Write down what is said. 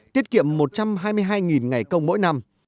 tiết kiệm một trăm hai mươi hai ngày công mỗi năm